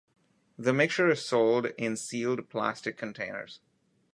The mixture is sold in sealed plastic containers.